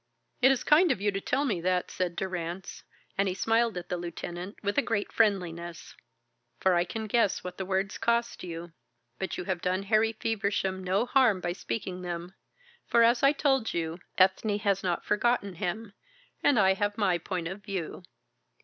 "It is kind of you to tell me that," said Durrance, and he smiled at the lieutenant with a great friendliness. "For I can guess what the words cost you. But you have done Harry Feversham no harm by speaking them. For, as I told you, Ethne has not forgotten him; and I have my point of view.